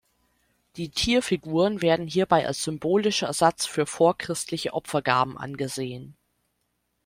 Die Tierfiguren werden hierbei als symbolischer Ersatz für vorchristliche Opfergaben angesehen.